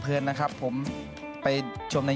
เพราะว่าใจแอบในเจ้า